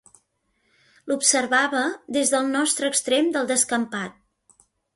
L’observava des del nostre extrem del descampat.